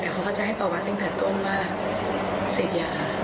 แต่เขาก็จะให้ประวัติตั้งแต่ต้นว่าเสพยา